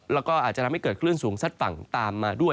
แล้วก็อาจจะทำให้เกิดคลื่นสุดตามมาด้วย